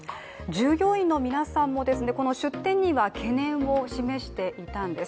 従業員の皆さんもこの出店には懸念を示していたんです。